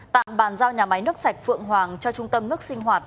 tạm bàn giao nhà máy nước sạch phượng hoàng cho trung tâm nước sinh hoạt